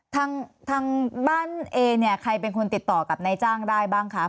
ทางบ้านเอเนี่ยใครเป็นคนติดต่อกับนายจ้างได้บ้างครับ